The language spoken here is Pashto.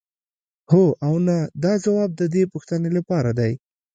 هو او نه دا ځواب د دې پوښتنې لپاره دی.